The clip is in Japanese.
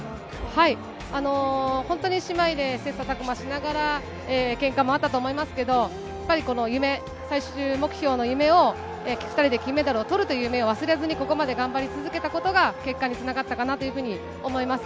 本当に姉妹で切さたく磨しながら、けんかもあったと思いますけど、やっぱりこの夢、最終目標の夢を、２人で金メダルをとるという夢を忘れずにここまで頑張り続けたことが結果につながったかなというふうに思います。